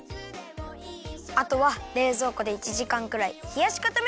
あとはれいぞうこで１じかんくらいひやしかためるよ。